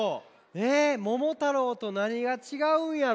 えっ「ももたろう」となにがちがうんやろ。